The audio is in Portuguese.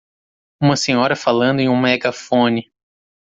Uma senhora falando em um megafone.